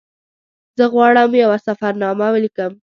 زه غواړم یوه سفرنامه ولیکم.